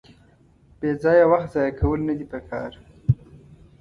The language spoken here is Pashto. بېځایه وخت ځایه کول ندي پکار.